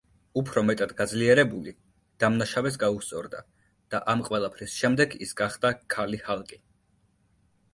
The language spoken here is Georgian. უფრო მეტად გაძლიერებული, დამნაშავეს გაუსწორდა და ამ ყველაფრის შემდეგ ის გახდა „ქალი ჰალკი“.